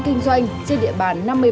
kinh doanh trên địa bàn năm mươi bảy